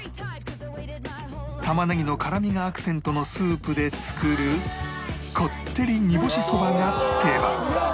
玉ねぎの辛みがアクセントのスープで作るこってり煮干しそばが定番